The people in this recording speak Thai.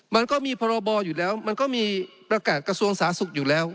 มันก็มีพรบอยู่แล้วมันก็มีประกาศกระทรวงสาธารณสุขอยู่แล้ว